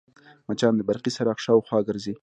مچان د برقي څراغ شاوخوا ګرځي